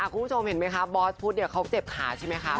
คุณผู้ชมเห็นไหมคะบอสพุทธเขาเจ็บขาใช่ไหมคะ